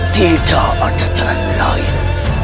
tidak ada jalan lain